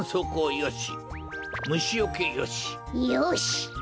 よし！